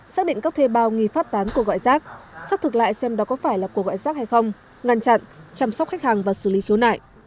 xác định các thuê bao nghi phát tán cuộc gọi rác xác thực lại xem đó có phải là cuộc gọi rác hay không ngăn chặn chăm sóc khách hàng và xử lý khiếu nại